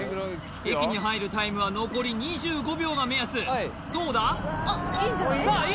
駅に入るタイムは残り２５秒が目安どうだ？